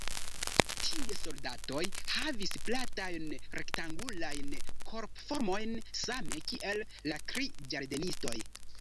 Tiuj soldatoj havis platajn rektangulajn korpformojn—same kiel la tri ĝardenistoj.